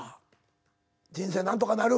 人生何とかなる？